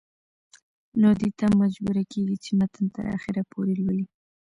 نو دې ته مجبوره کيږي چې متن تر اخره پورې لولي